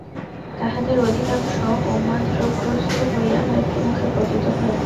তাহাদের অধিকাংশ উন্মাদরোগগ্রস্ত হইয়া মৃত্যুমুখে পতিত হয়।